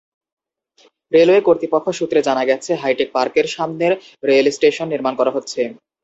Railway কর্তৃপক্ষ সূত্রে জানা গেছে, হাইটেক পার্কের সামনে রেলস্টেশন নির্মাণ করা হচ্ছে।